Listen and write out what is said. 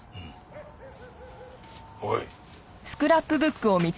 おい。